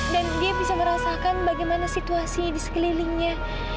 dan dia bisa merasakan bagaimana situasinya di sekelilingnya